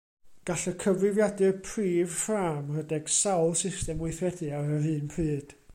Gall y cyfrifiadur prif ffrâm redeg sawl system weithredu ar yr un pryd.